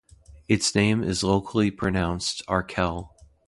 Its name is locally pronounced "Arkel".